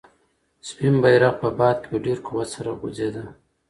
سپین بیرغ په باد کې په ډېر قوت سره غوځېده.